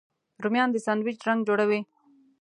رومیان د ساندویچ رنګ جوړوي